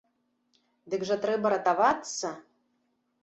Дык жа трэба ратавацца.